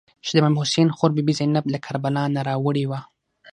چې د امام حسین خور بي بي زینب له کربلا نه راوړې وه.